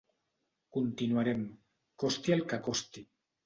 Continuarem, costi el que costi!